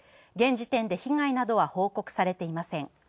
現時点で被害などは報告されていません。